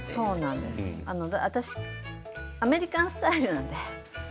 私アメリカンスタイルなんで。